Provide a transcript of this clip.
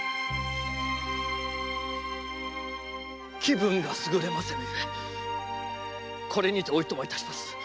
気分がすぐれませぬゆえこれにてお暇いたします。